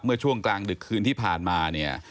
เมื่อช่วงกลางดึกคืนที่ผ่านมาเนี่ย